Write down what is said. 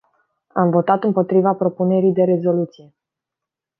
Am votat împotriva propunerii de rezoluție.